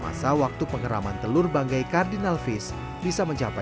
maksudnya waktu pengeraman telur banggai cardinal fish bisa mencapai dua puluh hari